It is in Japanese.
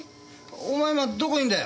お前今どこいんだよ？